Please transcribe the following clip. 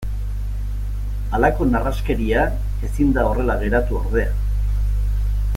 Halako narraskeria ezin da horrela geratu ordea.